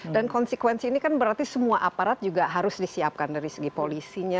dan konsekuensi ini kan berarti semua aparat juga harus disiapkan dari segi polisinya